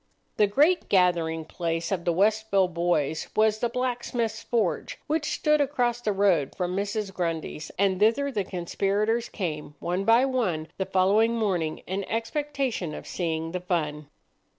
The great gathering place of the Westville boys was the blacksmith's forge, which stood across the road from Mrs. Grundy's, and thither the conspirators came one by one the following morning in expectation of seeing the fun.